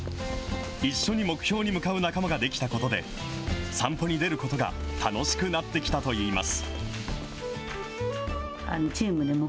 一緒に目標に向かう仲間が出来たことで、散歩に出ることが楽しくなってきたといいます。